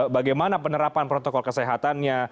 bagaimana penerapan protokol kesehatannya